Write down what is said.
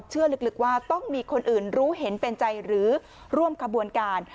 เชื่อลึกว่าต้องมีคนอื่นรู้เห็นเป็นใจหรือร่วมขบวนการ